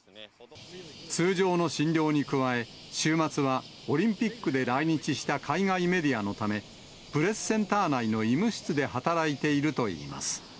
通常の診療に加え、週末はオリンピックで来日した海外メディアのため、プレスセンター内の医務室で働いているといいます。